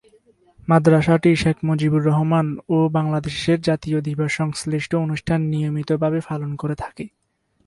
মাদ্রাসাটি শেখ মুজিবুর রহমান ও বাংলাদেশের জাতীয় দিবস সংশ্লিষ্ট অনুষ্ঠান নিয়মিতভাবে পালন করে থাকে।